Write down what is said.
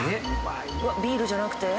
ビールじゃなくて？